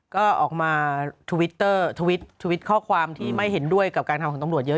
ก็ออกมาทวิตเตอร์ทวิตทวิตข้อความที่ไม่เห็นด้วยกับการทำของตำรวจเยอะ